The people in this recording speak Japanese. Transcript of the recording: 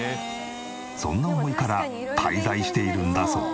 そんな思いから滞在しているんだそう。